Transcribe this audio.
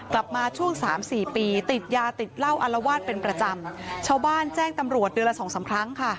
กลับมาช่วงสามสี่ปีติดยาติดเหล้าอลวาดเป็นประจำชาวบ้านแจ้งตำรวจเดือนละสองสามครั้งค่ะ